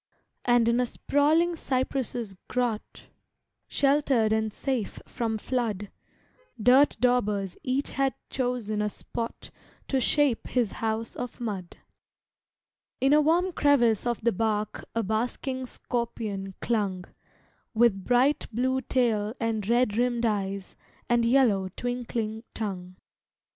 And in a sprawling cypress' grot, Sheltered and safe from flood, Dirt daubers each had chosen a spot To shape his house of mud. In a warm crevice of the bark A basking scorpion clung, With bright blue tail and red rimmed eyes And yellow, twinkling tongue.